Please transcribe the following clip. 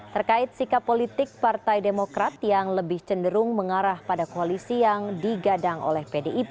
terkait sikap politik partai demokrat yang lebih cenderung mengarah pada koalisi yang digadang oleh pdip